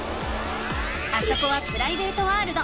あそこはプライベートワールド。